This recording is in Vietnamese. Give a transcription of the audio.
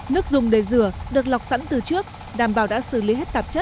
nước dùng để rửa được lọc sẵn từ trước đảm bảo đã xử lý hết tạp chất